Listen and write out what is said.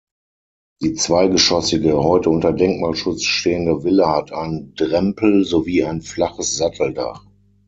Die zweigeschossige, heute unter Denkmalschutz stehende Villa hat einen Drempel sowie ein flaches Satteldach.